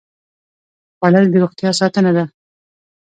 خوړل د روغتیا ساتنه ده